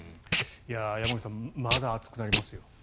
山口さんまだ暑くなりますよ。